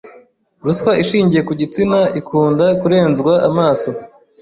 Ruswa ishingiye ku gitsina ikunda kurenzwa amaso